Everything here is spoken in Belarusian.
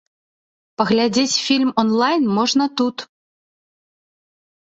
Паглядзець фільм он-лайн можна тут.